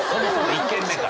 １軒目から。